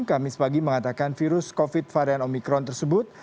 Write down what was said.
kamis pagi mengatakan virus covid varian omikron tersebut